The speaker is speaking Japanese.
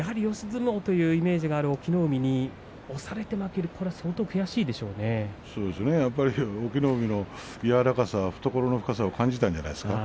相撲というイメージがある隠岐の海には押されて負けて隠岐の海の柔らかさ懐の深さを感じたんじゃないですか。